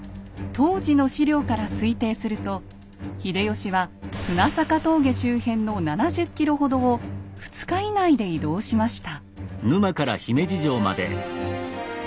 当時の史料から推定すると秀吉は船坂峠周辺の７０ｋｍほどを２日以内で移動しました。